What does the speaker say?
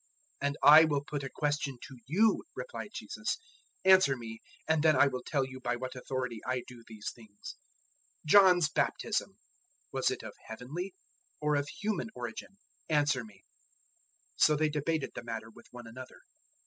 011:029 "And I will put a question to you," replied Jesus; "answer me, and then I will tell you by what authority I do these things. 011:030 John's Baptism was it of Heavenly or of human origin? Answer me." 011:031 So they debated the matter with one another.